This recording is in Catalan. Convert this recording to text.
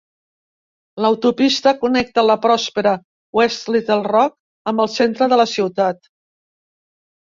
L'autopista connecta la pròspera West Little Rock amb el centre de la ciutat.